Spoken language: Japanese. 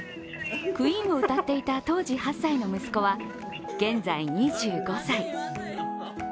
ＱＵＥＥＮを歌っていた当時８歳の息子は現在２５歳。